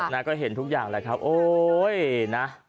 นาก็เห็นทุกอย่างเลยครับโอ้ย